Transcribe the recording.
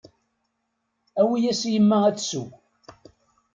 Awi-yas i yemma ad tsew.